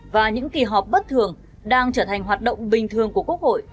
và những kỳ họp bất thường đang trở thành hoạt động bình thường của quốc hội